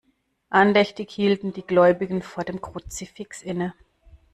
Andächtig hielten die Gläubigen vor dem Kruzifix inne.